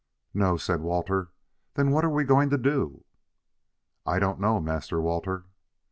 "No!" said Walter. "Then what are we going to do?" "I don't know, Master Walter."